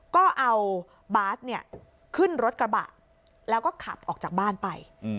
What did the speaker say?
ก็เอาบาสเนี่ยขึ้นรถกระบะแล้วก็ขับออกจากบ้านไป